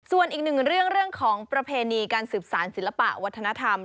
ส่วนอีกหนึ่งเรื่องของประเพณีการสืบสารศิลปะวัฒนธรรม